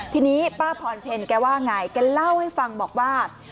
ทีนี้ป้าพรเพลแกว่าไงแกเล่าให้ฟังบอกว่า